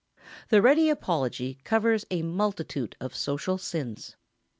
] The ready apology covers a multitude of social sins.